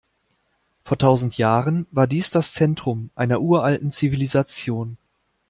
Vor tausend Jahren war dies das Zentrum einer uralten Zivilisation.